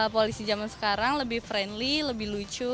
polisi zaman sekarang lebih friendly lebih lucu